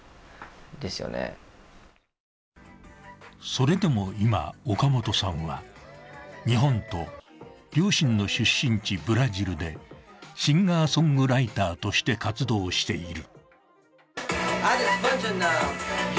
それでも今、オカモトさんは日本と両親の出身地ブラジルでシンガーソングライターとして活動している。